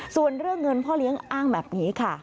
ส่วนเรื่องเงินพ่อเลี้ยงอ้างแบบนี้ค่ะ